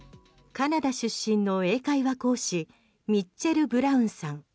カナダ出身の英会話講師ミッチェル・ブラウンさん。